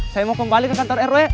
saya mau kembali ke kantor rw